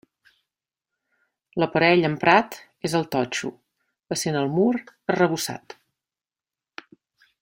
L'aparell emprat és el totxo, essent el mur arrebossat.